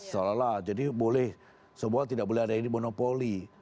seolah olah jadi boleh semua tidak boleh ada ini monopoli